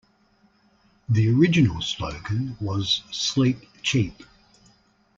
The original slogan was "Sleep Cheap".